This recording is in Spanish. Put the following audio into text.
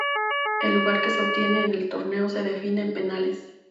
El lugar que se obtiene en el torneo se define en penales.